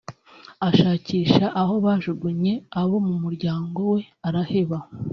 ashakisha aho bajugunye abo mu muryango we araheba